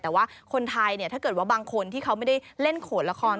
แต่ว่าคนไทยเนี่ยถ้าเกิดว่าบางคนที่เขาไม่ได้เล่นโขดละคร